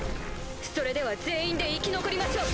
それでは全員で生き残りましょう。